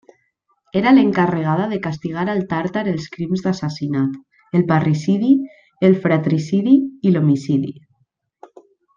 Era l'encarregada de castigar al Tàrtar els crims d'assassinat: el parricidi, el fratricidi, i l'homicidi.